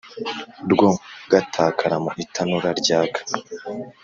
rwo gatakara mu itanura ryaka.